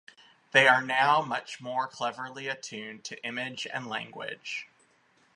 They are now much more cleverly attuned to image and language.